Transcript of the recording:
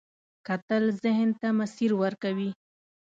کتل ذهن ته مسیر ورکوي